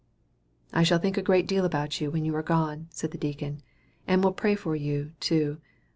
"I shall think a great deal about you, when you are gone," said the deacon, "and will pray for you, too.